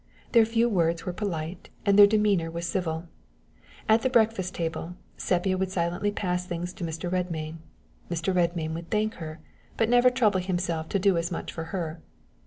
Their few words were polite, and their demeanor was civil. At the breakfast table, Sepia would silently pass things to Mr. Redmain; Mr. Redmain would thank her, but never trouble himself to do as much for her.